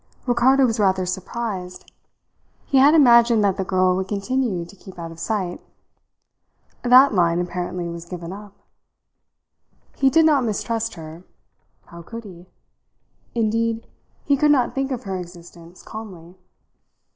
Ricardo was rather surprised. He had imagined that the girl would continue to keep out of sight. That line apparently was given up. He did not mistrust her. How could he? Indeed, he could not think of her existence calmly.